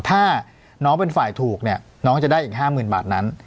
ถ้าน้องเป็นฝ่ายถูกเนี่ยน้องจะได้อีก๕๐๐๐บาทนั้น